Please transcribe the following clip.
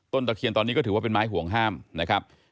ตะเคียนตอนนี้ก็ถือว่าเป็นไม้ห่วงห้ามนะครับ